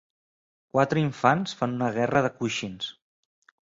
Quatre infants fan una guerra de coixins.